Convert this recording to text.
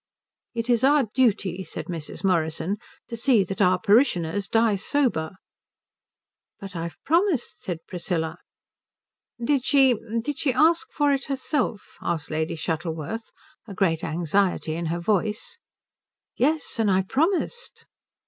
"It is our duty," said Mrs. Morrison, "to see that our parishioners die sober." "But I've promised," said Priscilla. "Did she did she ask for it herself?" asked Lady Shuttleworth, a great anxiety in her voice. "Yes, and I promised."